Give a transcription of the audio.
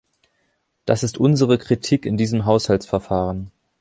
Das ist unsere Kritik in diesem Haushaltsverfahren.